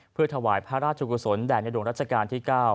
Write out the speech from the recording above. เพื่อถวายพระราชกุศลแด่ในหลวงรัชกาลที่๙